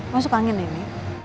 masuk angin ini